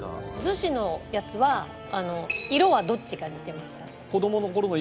子のやつは色はどっちが似てました？